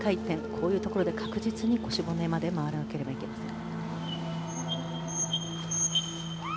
こういうところで、しっかりと腰骨まで回らなければいけません。